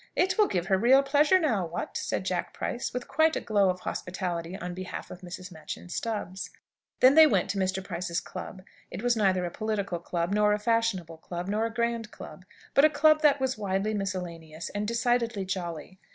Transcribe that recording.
"It will give her real pleasure, now, what?" said Jack Price, with quite a glow of hospitality on behalf of Mrs. Machyn Stubbs. Then they went to Mr. Price's club. It was neither a political club, nor a fashionable club, nor a grand club; but a club that was widely miscellaneous, and decidedly jolly.